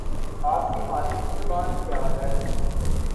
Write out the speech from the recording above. آپ کی مادری زبان کیا ہے؟